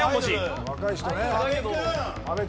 若い人ね。